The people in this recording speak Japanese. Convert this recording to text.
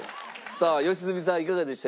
さあ良純さんいかがでした？